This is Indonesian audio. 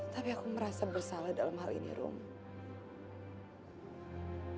tapi aku merasa bersalah dalam hal ini romo